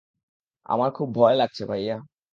আমার খুব ভয় লাগছে ভাইয়া।